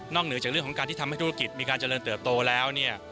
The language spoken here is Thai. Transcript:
เหนือจากเรื่องของการที่ทำให้ธุรกิจมีการเจริญเติบโตแล้วเนี่ย